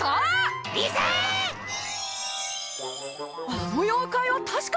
あの妖怪はたしか。